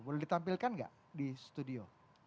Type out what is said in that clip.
boleh ditampilkan nggak di studio